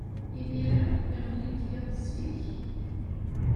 Imir-a, iɣelli-d yiḍ zik.